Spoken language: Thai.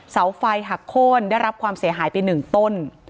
เสาไฟหักโค้นได้รับความเสียหายไป๑ต้น